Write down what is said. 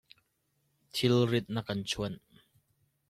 Thil rit na kan chuanh.